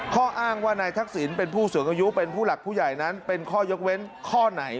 ข้ออ้างว่านายทักษิณเป็นผู้สูงอายุเป็นผู้หลักผู้ใหญ่นั้นเป็นข้อยกเว้นข้อไหน